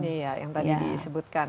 iya yang tadi disebutkan